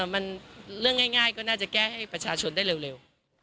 มันเรื่องง่ายก็น่าจะแก้ให้ประชาชนได้เร็ว